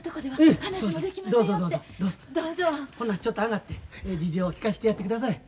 ほなちょっと上がって事情を聞かしてやってください。